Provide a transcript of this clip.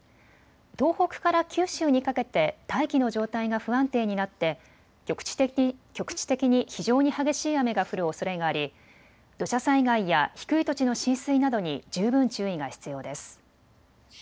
東北から九州にかけて大気の状態が不安定になって局地的に非常に激しい雨が降るおそれがあり土砂災害や低い土地の浸水などに十分注意が必要です。